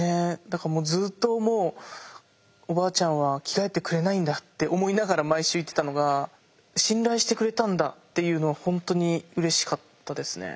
だからもうずっともうおばあちゃんは着替えてくれないんだって思いながら毎週行ってたのが信頼してくれたんだっていうのは本当にうれしかったですね。